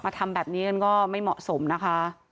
การทำแบบนี้ก็ไม่เหมาะสมนะคะ